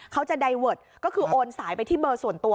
ไดเวิร์ดก็คือโอนสายไปที่เบอร์ส่วนตัว